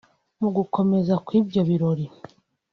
Mugukomeza kw’ibyo birori